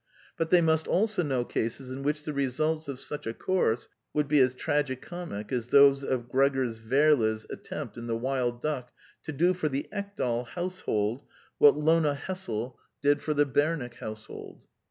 But they must also know cases in which the results of such a course would be as tragi comic as those of Gregers Werle's attempt in The Wild Duck to do for the Ekdal household what Lona Hessel did for 196 The Quintessence of Ibsenism the Bemick household.